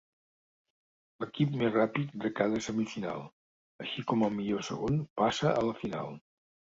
L'equip més ràpid de cada semifinal, així com el millor segon passa a la final.